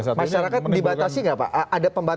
masyarakat dibatasi nggak pak